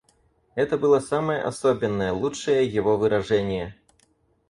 Это было самое особенное, лучшее его выражение.